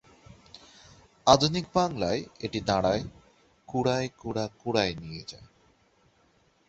আধুনিক বাংলায় এটি দাঁড়ায় ‘কুড়ায় কুড়া কুড়ায় নিয়ে।